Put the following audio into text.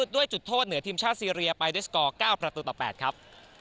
ด้วยจุดโทษเหนือทีมชาติซีเรียไปด้วยสกอร์๙ประตูต่อ๘ครับ